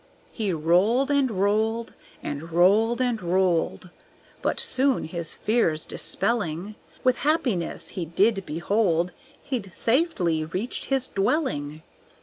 He rolled and rolled and rolled and rolled, But soon, his fears dispelling, With happiness he did behold He'd safely reached his dwelling.